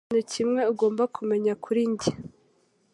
Ikintu kimwe ugomba kumenya kuri njye